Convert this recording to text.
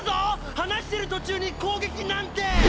話してる途中に攻撃なんて！